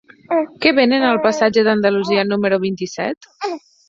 Què venen al passatge d'Andalusia número vint-i-set?